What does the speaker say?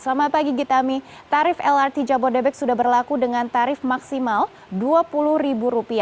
selamat pagi gita mi tarif lrt jabodebek sudah berlaku dengan tarif maksimal rp dua puluh